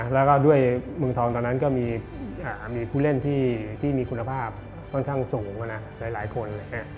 แล้วก็ด้วยเมืองทองตอนนั้นก็มีผู้เล่นที่มีคุณภาพค่อนข้างสูงหลายคน